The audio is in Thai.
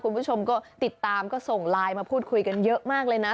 คุณผู้ชมก็ติดตามก็ส่งไลน์มาพูดคุยกันเยอะมากเลยนะ